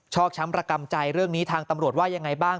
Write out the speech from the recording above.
อกช้ำระกำใจเรื่องนี้ทางตำรวจว่ายังไงบ้าง